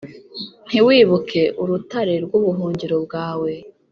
ntiwibuke urutare rw’ubuhungiro bwawe.